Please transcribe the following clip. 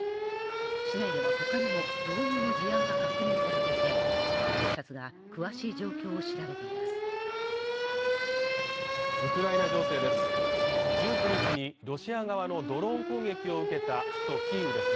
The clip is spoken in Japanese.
市内ではほかにも同様の事案が確認されていて警察が詳しい状況を調べています